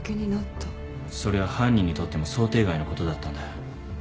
それは犯人にとっても想定外のことだったんだ。